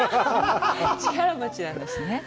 力持ちなんですね。